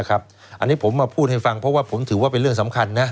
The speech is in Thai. อันนี้ผมมาพูดให้ฟังเพราะว่าผมถือว่าเป็นเรื่องสำคัญนะ